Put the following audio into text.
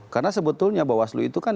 karena sebetulnya bawaslu itu kan